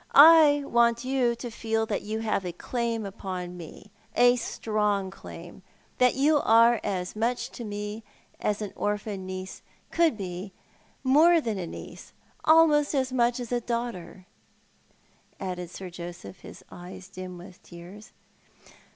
I want you to feel that you have a claim upon me, a strong 'claim — that you are as much to me as an orphan niece could be — more than a niece — almost as much as a daughter," added Sir Joseph, his eyes dim with tears.